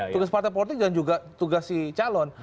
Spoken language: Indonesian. tugas partai politik dan juga tugas si calon